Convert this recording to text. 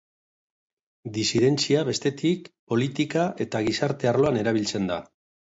Disidentzia, bestetik, politika eta gizarte arloan erabiltzen da.